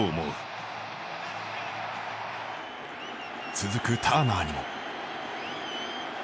続くターナーにも。